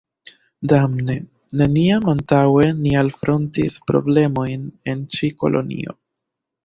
Damne, neniam antaŭe ni alfrontis problemojn en ĉi kolonio.